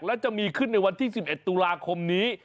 และจะมีขึ้นในวันที่๑๑ตุลาคมนี้